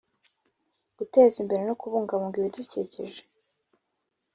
Guteza imbere no kubungabunga ibidukikije